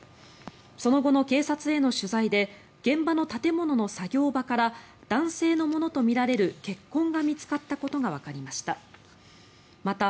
その後の警察への取材で現場の建物の作業場から男性のものとみられる血痕が見つかったことがわかりました。